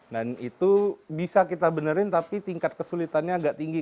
dan itu bisa kita benerin tapi tingkat kesulitannya agak tinggi